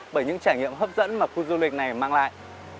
bởi những trải nghiệm hấp dẫn mà khu du lịch này mang lại